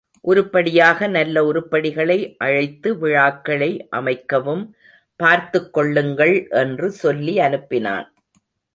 உருப்படியாக நல்ல உருப்படிகளை அழைத்து விழாக்களை அமைக்கவும் பார்த்துக் கொள்ளுங்கள் என்று சொல்லி அனுப்பினான்.